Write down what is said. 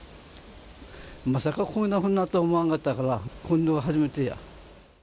まさかこんなふうになると思わなかったから、こんなの初めてや。